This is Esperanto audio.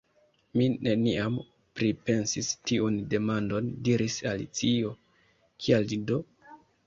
"Mi neniam pripensis tiun demandon," diris Alicio. "Kial do?"